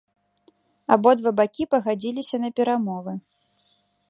Абодва бакі пагадзіліся на перамовы.